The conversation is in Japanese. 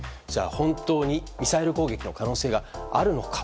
本当にミサイル攻撃の可能性があるのか。